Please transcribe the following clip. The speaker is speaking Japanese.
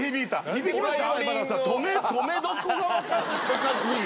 響きました？